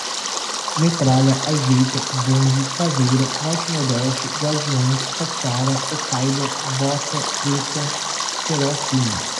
metralha, ajeita, bonde, caveira, norte-nordeste, guardiões, katiara, okaida, bota preta, cerol fino